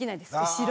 後ろ。